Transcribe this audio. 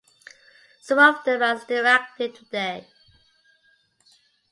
Some of them are still active today.